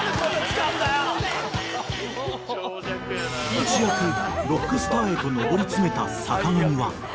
［一躍ロックスターへと上り詰めた坂上は］